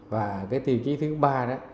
và cái tiêu chí thứ ba đó